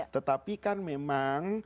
tetapi kan memang